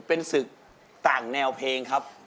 เป็นศึกต่างแนวเพลงครับ